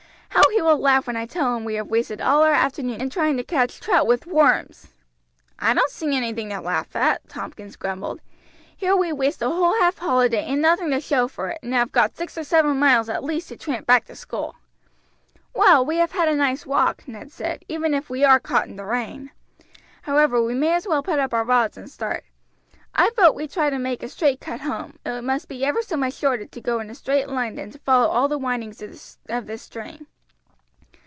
How he will laugh when I tell him we have wasted all our afternoon in trying to catch trout with worms!" "I don't see anything to laugh at," Tompkins grumbled. "Here we waste a whole half holiday, and nothing to show for it, and have got six or seven miles at least to tramp back to school." "Well, we have had a nice walk," Ned said, "even if we are caught in the rain. However, we may as well put up our rods and start. I vote we try to make a straight cut home; it must be ever so much shorter to go in a straight line than to follow all the windings of this stream."